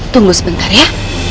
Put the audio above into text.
tunggu sebentar ya